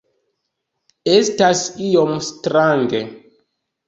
Estas iom strange